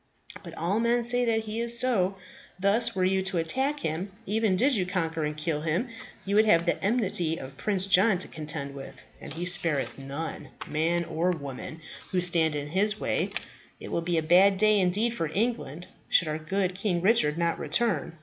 But all men say that he is so. Thus were you to attack him, even did you conquer and kill him, you would have the enmity of Prince John to contend with; and he spareth none, man or woman, who stand in his way. It will be a bad day indeed for England should our good King Richard not return.